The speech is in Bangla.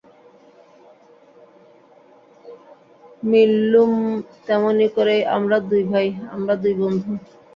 মিললুম তেমনি করেই–আমরা দুই ভাই, আমরা দুই বন্ধু।